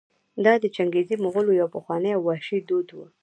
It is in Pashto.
دا د چنګېزي مغولو یو پخوانی او وحشي دود و.